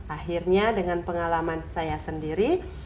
akhirnya dengan pengalaman saya sendiri